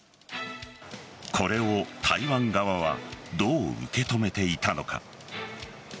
これを台湾側はどう受け止めていたのか。